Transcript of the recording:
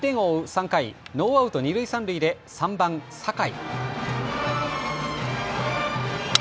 ３回、ノーアウト二塁三塁で３番・酒井。